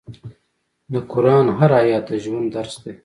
د قرآن هر آیت د ژوند درس دی.